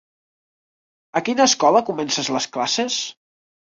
A quina escola comences les classes?